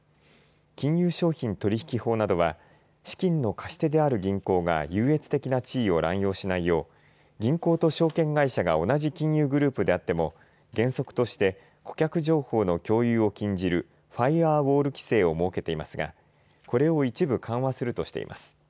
金融商品取引法などは資金の貸し手である銀行が優越的な地位を乱用しないよう銀行と証券会社が同じ金融グループであっても原則として顧客情報の共有を禁じるファイアーウォール規制を設けていますがこれを一部緩和するとしています。